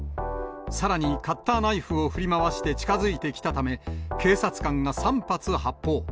さらに、カッターナイフを振り回して近づいてきたため、警察官が３発発砲。